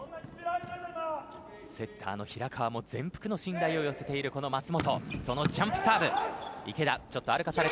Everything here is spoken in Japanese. セッターの平川も全幅の信頼を寄せている舛本。